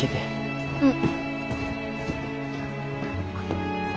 うん。